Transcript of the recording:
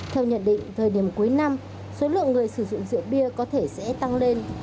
theo nhận định thời điểm cuối năm số lượng người sử dụng rượu bia có thể sẽ tăng lên